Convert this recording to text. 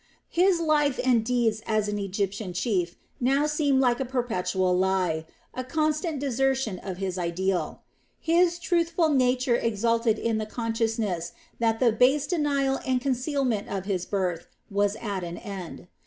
His life and deeds as an Egyptian chief now seemed like a perpetual lie, a constant desertion of his ideal. His truthful nature exulted in the consciousness that the base denial and concealment of his birth was at an end.